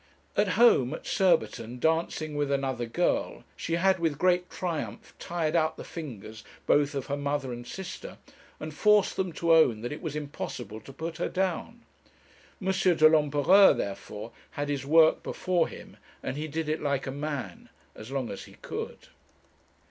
At home, at Surbiton, dancing with another girl, she had with great triumph tired out the fingers both of her mother and sister, and forced them to own that it was impossible to put her down. M. de l'Empereur, therefore, had his work before him, and he did it like a man as long as he could.